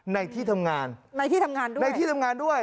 ในที่ทำงานด้วยในที่ทำงานด้วย